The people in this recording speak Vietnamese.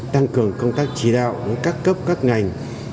tăng cường công tác trí đạo với các cấp các ngành